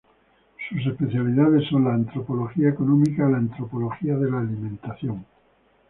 Sus especialidades son la antropología económica y la antropología de la alimentación.